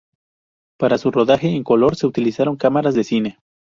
Para su rodaje en color, se utilizaron cámaras de cine.